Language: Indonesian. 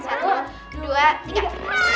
satu dua tiga